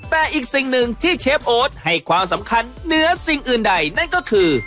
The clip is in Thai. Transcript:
แต่อีกสิ่งหนึ่งที่เชฟโอ๊ตให้ความสำคัญเหนือสิ่งอื่นใดนั่นก็คือ